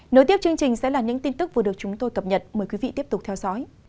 nối tiếp chương trình sẽ là những tin tức vừa được chúng tôi cập nhật mời quý vị tiếp tục theo dõi